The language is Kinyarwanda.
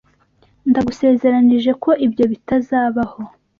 Ndagusezeranije ko ibyo bitazabaho.